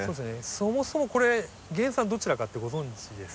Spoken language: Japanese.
そもそもこれ原産どちらかってご存じです？